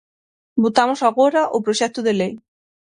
Votamos agora o proxecto de lei.